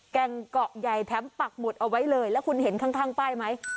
แก่งเกาะใหญ่แถมปักหมุดเอาไว้เลยแล้วคุณเห็นข้างป้ายไหม